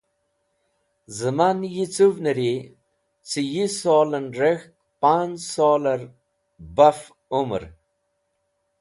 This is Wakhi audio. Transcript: Zẽman yicũvnẽri cẽ yi solẽn rek̃hk panz̃ solẽr baf emẽr.